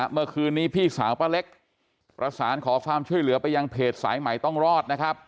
เมื่อคืนนี้พี่สาวป้าเล็กประสานขอความช่วยเหลือไปยังเพจสายใหม่ต้องรอดนะครับ